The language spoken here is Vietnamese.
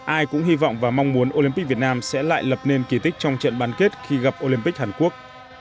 ai cũng hy vọng và mong muốn olympic việt nam sẽ lại lập nên kỳ tích trong trận bán kết khi gặp olympic hàn quốc